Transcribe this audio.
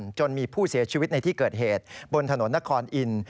จนมีผู้เสียชีวิตในที่เกิดเหตุบนถนนนครอินทร์